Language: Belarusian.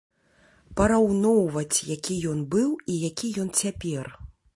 Параўноўваць, які ён быў і які ён цяпер.